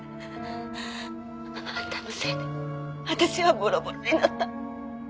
あんたのせいで私はボロボロになった。